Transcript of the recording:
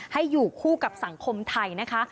ให้อยู่คู่กับสังคมไทยนะคะ